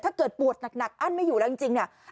ถ้าเกิดปวดหนักอั้นไม่อยู่แล้วจริงเนี่ย